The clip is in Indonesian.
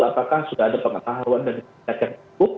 apakah sudah ada pengetahuan